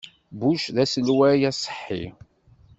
Bush d aselway aṣeḥḥi.